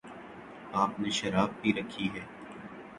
آپ نے شراب پی رکھی ہے؟